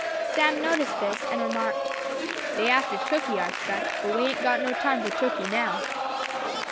Sam noticed this, and remarked, "Dey after tukkey I 'speck, but we a'n't got no time fo' tukkey now."